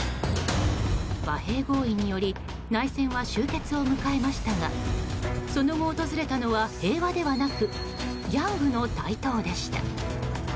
和平合意により内戦は終結を迎えましたがその後訪れたのは平和ではなくギャングの台頭でした。